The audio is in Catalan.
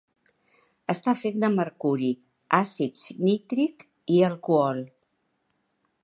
Està fet de mercuri, àcid nítric i alcohol.